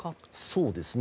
そうですね。